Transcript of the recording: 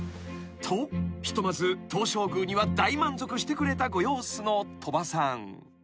［とひとまず東照宮には大満足してくれたご様子の鳥羽さん］